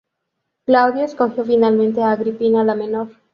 Claudio escogió finalmente a Agripina la Menor.